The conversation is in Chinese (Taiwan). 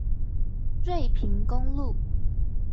瑞平公路